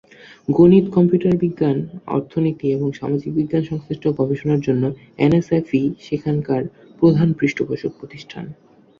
গণিত, কম্পিউটার বিজ্ঞান, অর্থনীতি এবং সামাজিক বিজ্ঞান সংশ্লিষ্ট গবেষণার জন্য এনএসএফ-ই সেখানকার প্রধান পৃষ্ঠপোষক প্রতিষ্ঠান।